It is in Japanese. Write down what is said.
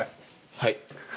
はい。